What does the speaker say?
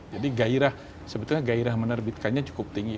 jadi gairah sebetulnya gairah menerbitkannya cukup tinggi